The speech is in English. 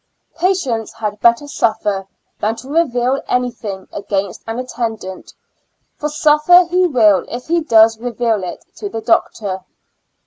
Patients had better suffer than to reveal anything against an attendant, for suffer he will if he does reveal it to the doctor.